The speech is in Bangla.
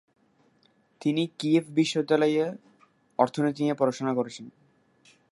তিনি কিয়েভ বিশ্ববিদ্যালয়ে অর্থনীতি নিয়ে পড়াশোনা করেছেন।